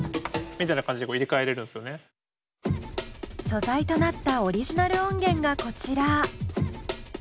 素材となったオリジナル音源がこちら。